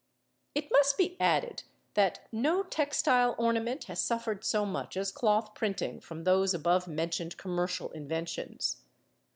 It must be added that no textile ornament has suffered so much as cloth printing from those above mentioned commercial inventions.